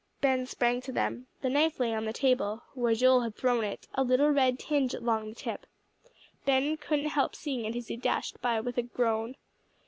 Ben sprang to them. The knife lay on the table, where Joel had thrown it, a little red tinge along the tip. Ben couldn't help seeing it as he dashed by, with a groan.